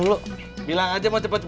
nah datang datang dan berado dada